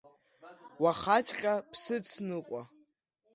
Уахаҵәҟьа бсыцныҟәа!